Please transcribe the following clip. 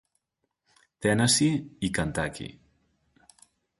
Tennessee i Kentucky.